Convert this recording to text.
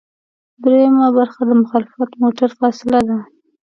دریمه برخه د مخالف موټر فاصله ده